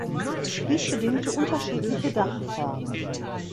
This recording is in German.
Dies bedingte unterschiedliche Dachformen.